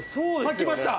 きました。